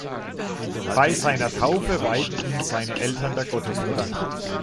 Bei seiner Taufe weihten ihn seine Eltern der Gottesmutter.